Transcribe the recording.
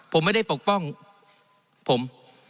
ผมไม่ได้ปกป้องผม